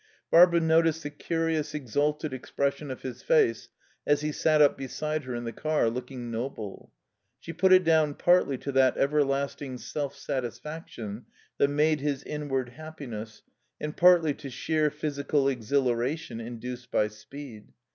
Barbara noticed the curious, exalted expression of his face as he sat up beside her in the car, looking noble. She put it down partly to that everlasting self satisfaction that made his inward happiness, and partly to sheer physical exhilaration induced by speed.